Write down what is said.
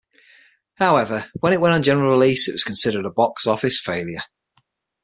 However, when it went on general release it was considered a box office failure.